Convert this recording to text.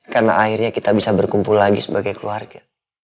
karena akhirnya kita bisa berkumpul lagi sebagai keluarga